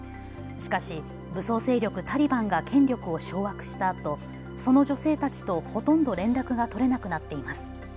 しかし武装勢力タリバンが権力を掌握したあとその女性たちとほとんど連絡が取れなくなっています。